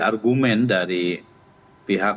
argumen dari pihak